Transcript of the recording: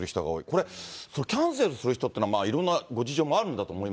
これ、キャンセルする人っていうのはいろんなご事情もあるんだと思い